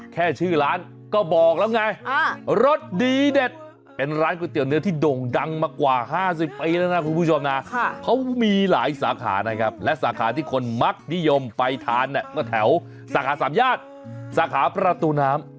แปลว่าสาขาอื่นแม่อร่อยนะ